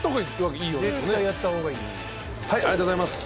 ありがとうございます。